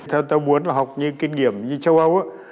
theo tôi muốn là học những kinh nghiệm như châu âu ấy